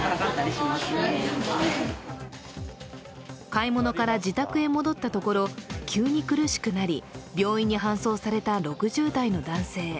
買い物から自宅へ戻ったところ、急に苦しくなり、病院に搬送された６０代の男性。